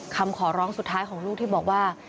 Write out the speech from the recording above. คำขอร้องสุดท้ายของลูกที่บอกว่า